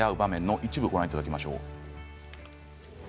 一部ご覧いただきましょう。